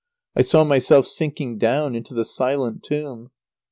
I saw myself sinking down into the silent tomb.